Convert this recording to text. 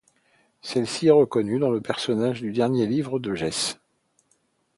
Celle-ci s'est reconnue dans le personnage du dernier livre de Jesse.